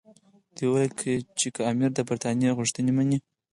دوی ویل چې که امیر د برټانیې غوښتنې مني.